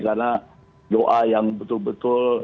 karena doa yang betul betul